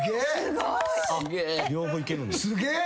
すげえ！